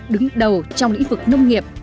đứng đầu trong lĩnh vực nông nghiệp